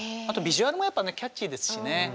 あとビジュアルもキャッチーですしね。